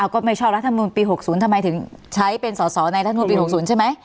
ก็ไม่ชอบรัฐมนุนปี๖๐ทำไมถึงใช้เป็นสอสอในรัฐมนุนปี๖๐ใช่ไหม